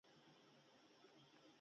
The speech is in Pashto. د سر پړکمشر جسد د کروندې تر څنګ پروت و.